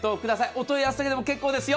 お問い合わせでも結構ですよ。